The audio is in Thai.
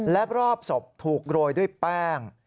และรอบศพถูกโรยด้วยแป้ง